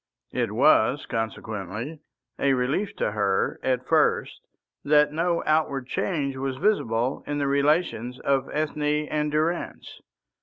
It was consequently a relief to her at first that no outward change was visible in the relations of Ethne and Durrance.